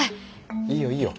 いいよいいよ。